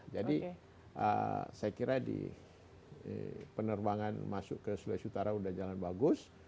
jadi saya kira penerbangan masuk ke sulawesi utara sudah jalan bagus